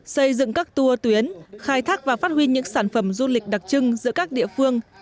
xây dựng các tour tuyến khai thác và phát huy những sản phẩm du lịch đặc trưng giữa các địa phương